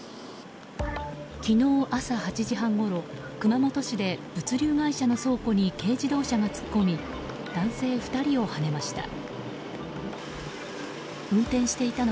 昨日朝８時半ごろ、熊本市で物流会社の倉庫に軽自動車が突っ込み男性２人をはねました。